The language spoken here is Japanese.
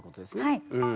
はい。